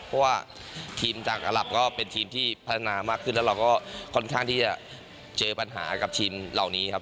เพราะว่าทีมจากอลับก็เป็นทีมที่พัฒนามากขึ้นแล้วเราก็ค่อนข้างที่จะเจอปัญหากับทีมเหล่านี้ครับ